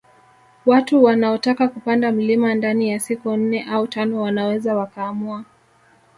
Watu wanaotaka kupanda mlima ndani ya siku nne au tano wanaweza wakaamua